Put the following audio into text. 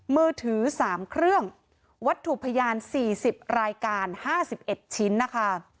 มือถือสามเครื่องวัตถุพยานสี่สิบรายการห้าสิบเอ็ดชิ้นนะคะ